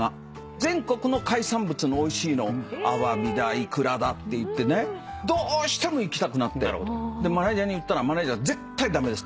全国の海産物のおいしいのをアワビだイクラだっていってねどうしても行きたくなってマネジャーに言ったら「絶対駄目です。